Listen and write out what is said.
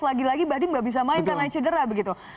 lagi lagi bahdim nggak bisa main karena cedera begitu